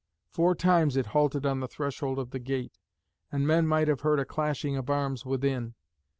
Four times it halted on the threshold of the gate, and men might have heard a clashing of arms within.